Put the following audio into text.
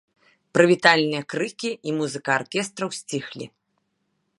Прывітальныя крыкі і музыка аркестраў сціхлі.